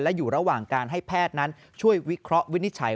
และอยู่ระหว่างการให้แพทย์นั้นช่วยวิเคราะห์วินิจฉัย